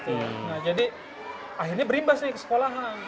nah jadi akhirnya berimbas nih ke sekolahan